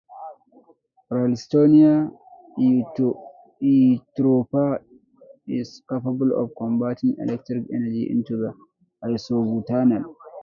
"Ralstonia eutropha" is capable of converting electrical energy into isobutanol.